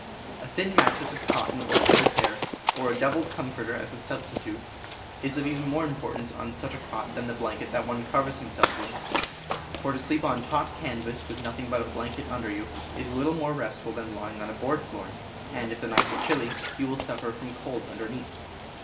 A thin mattress of cotton or curled hair, or a doubled comforter as a substitute, is of even more importance on such a cot than the blanket that one covers himself with; for to sleep on taut can vas with nothing but a blanket under you is little more restful than lying on a board floor, and, if the nights are chilly, you will suffer from cold underneath.